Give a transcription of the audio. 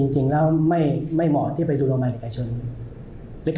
จริงแล้วไม่เหมาะที่ไปดูโรงพยาบาลหลักอาชนิดนึง